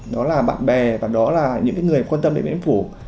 đó là bạn bè và đó là những người quan tâm đến điện biên phủ